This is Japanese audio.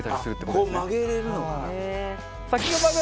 こう曲げれるのかな？